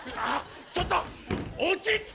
あちょっと！